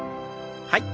はい。